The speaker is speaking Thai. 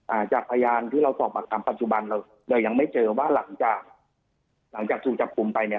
อ่าจากพยานที่เราสอบปากคำปัจจุบันเราเรายังไม่เจอว่าหลังจากหลังจากถูกจับกลุ่มไปเนี่ย